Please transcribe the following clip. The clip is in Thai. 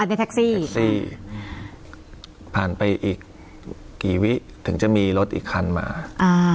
ในแท็กซี่สี่ผ่านไปอีกกี่วิถึงจะมีรถอีกคันมาอ่า